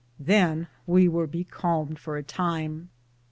Than we weare becalmed for a time.